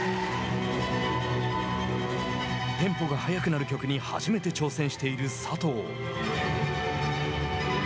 テンポが速くなる曲に初めて挑戦している佐藤。